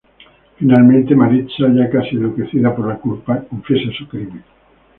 Finalmente, Maritza ya casi enloquecida por la culpa, confiesa su crimen.